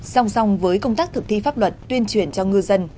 xong xong với công tác thực thi pháp luật tuyên truyền cho ngư dân